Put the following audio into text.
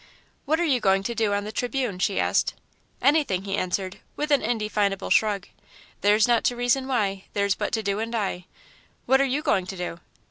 "What are you going to do on The Tribune?" she asked. "Anything," he answered, with an indefinable shrug. "'Theirs not to reason why, theirs but to do and die.' What are you going to do?"